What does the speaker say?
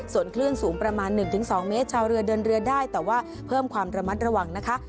ส่วนคลื่นสูงประมาณ๑๒เมตรชาวเรือเดินเรือได้แต่ว่าเพิ่มความระมัดระวังนะคะ